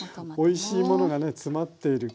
おいしいものがね詰まっている。